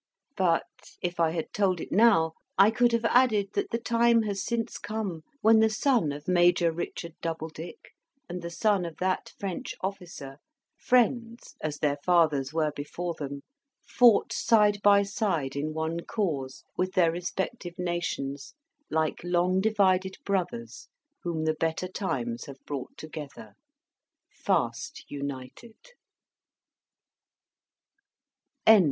But, if I had told it now, I could have added that the time has since come when the son of Major Richard Doubledick, and the son of that French officer, friends as their fathers were before them, fought side by side in one cause, with their respective nations, like long divided brothers whom the better times have brought together, fast united.